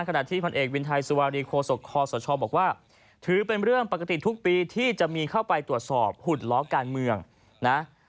ขณะที่พันเอกวินไทยสุวารีโคศกคอสชบอกว่าถือเป็นเรื่องปกติทุกปีที่จะมีเข้าไปตรวจสอบหุดล้อการเมืองนะ